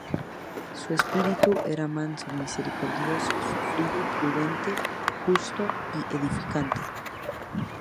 Su espíritu era manso, misericordioso, sufrido, prudente, justo y edificante.